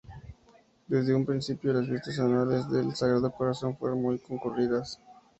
Desde un principio, las fiestas anuales del sagrado Corazón fueron muy concurridas.